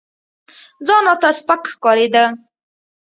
ځان راته سپك ښكارېده.